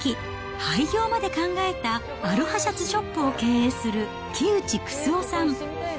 廃業まで考えた、アロハシャツショップを経営する木内九州生さん。